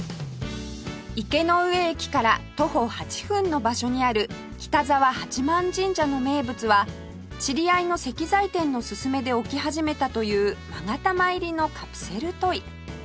池ノ上駅から徒歩８分の場所にある北澤八幡神社の名物は知り合いの石材店の勧めで置き始めたという勾玉入りのカプセルトイ